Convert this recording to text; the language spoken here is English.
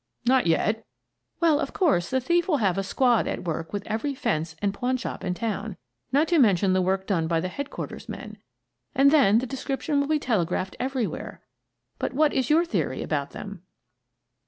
" Not yet" " Well, of course, the Chief will have a squad at work with every fence and pawn shop in town, not to mention the work done by the headquarters men. And then the description will be telegraphed every where. But what is your theory about them?"